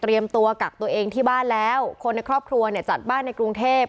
ตัวกักตัวเองที่บ้านแล้วคนในครอบครัวเนี่ยจัดบ้านในกรุงเทพ